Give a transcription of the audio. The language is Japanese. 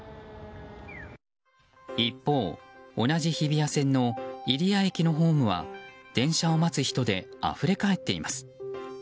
一方、同じ日比谷線の入谷駅のホームは電車を待つ人であふれかえっています。